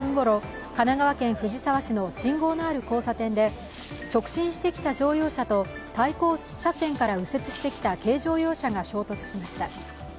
警察によりますと午前７時１５分ごろ神奈川県藤沢市の信号のある交差点で直進してきた乗用車と対向車線から右折してきた軽乗用車が衝突しました。